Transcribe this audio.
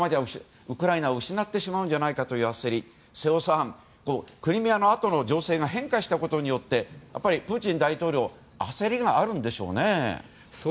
ウクライナを失ってしまうんじゃないかという瀬尾さん、クリミアのあとの情勢が変化したことによってやっぱりプーチン大統領は焦りがあるんでしょうね。